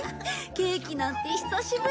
ケーキなんて久しぶり。